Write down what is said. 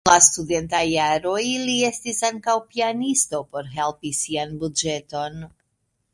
Dum la studentaj jaroj li estis ankaŭ pianisto por helpi sian buĝeton.